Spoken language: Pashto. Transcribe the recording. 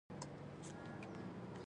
دا د هر انسان کرامت ته سپکاوی دی.